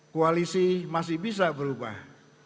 koalisi masih bisa berubah